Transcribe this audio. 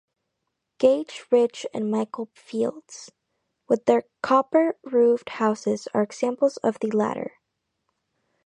Gage Ridge and Michael Fields, with their copper-roofed houses are examples of the latter.